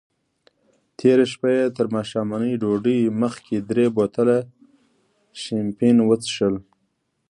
تېره شپه یې تر ماښامنۍ ډوډۍ مخکې درې بوتله شیمپین وڅیښل.